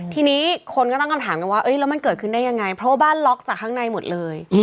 ที่นี้คุณต้กำถังว่าเอ๊เละมันเกิดขึ้นได้ยังไงเพราะบ้านล็อกจากข้างในหมดเลย